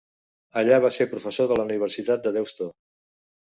Allà va ser professor de la Universitat de Deusto.